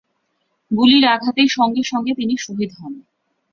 গুলির আঘাতে সঙ্গে সঙ্গে তিনি শহীদ হন।